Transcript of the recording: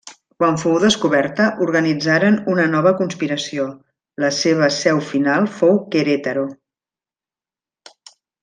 Quan fou descoberta, organitzaren una nova conspiració, la seva seu final fou Querétaro.